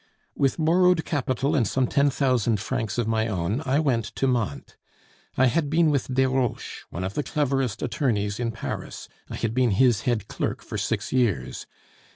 "With borrowed capital and some ten thousand francs of my own, I went to Mantes. I had been with Desroches, one of the cleverest attorneys in Paris, I had been his head clerk for six years.